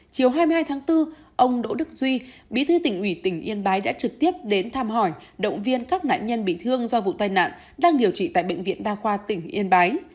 chiều hai mươi hai tháng bốn ông đỗ đức duy bí thư tỉnh ủy tỉnh yên bái đã trực tiếp đến thăm hỏi động viên các nạn nhân bị thương do vụ tai nạn đang điều trị tại bệnh viện đa khoa tỉnh yên bái